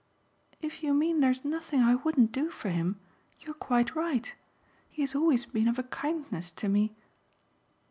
"If you mean there's nothing I wouldn't do for him you're quite right. He has always been of a kindness to me